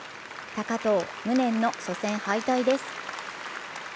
高藤、無念の初戦敗退です。